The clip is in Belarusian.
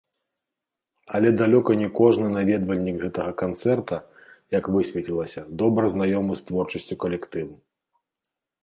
Але далёка не кожны наведвальнік гэтага канцэрта, як высветлілася, добра знаёмы з творчасцю калектыву.